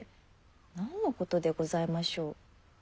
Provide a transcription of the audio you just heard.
何のことでございましょう。